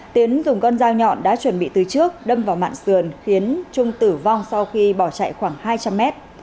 tiến dùng con dao nhọn đã chuẩn bị từ trước đâm vào mạng sườn khiến trung tử vong sau khi bỏ chạy khoảng hai trăm linh mét